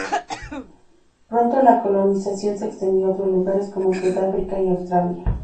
Pronto la colonización se extendió a otros lugares como Sudáfrica y Australia.